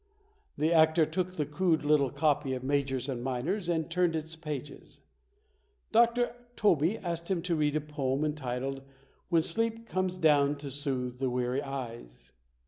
The actor took the crude little copy of "Majors and Minors" and turned its pages. Dr. Tobey asked him to read a poem entitled "When Sleep Comes Down to Soothe the Weary Eyes".